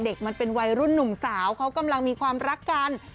มันเป็นวัยรุ่นหนุ่มสาวเขากำลังมีความรักกัน